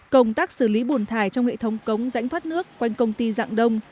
công tác xử lý bùn thải trong hệ thống cống rãnh thoát nước quanh công ty dạng đông